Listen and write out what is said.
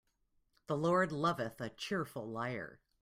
The Lord loveth a cheerful liar.